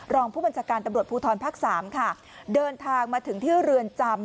รองผู้บัญชาการตำรวจภูทรภาคสามค่ะเดินทางมาถึงที่เรือนจำ